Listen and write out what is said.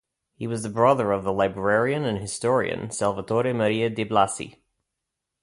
He was the brother of the librarian and historian Salvatore Maria Di Blasi.